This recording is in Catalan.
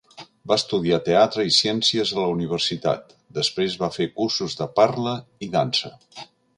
Va estudiar teatre i ciències a la universitat, després va fer cursos de parla i dansa.